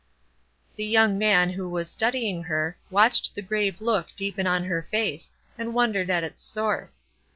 The young man, who was studying her, watched the grave look deepen on her face, and wondered at its source.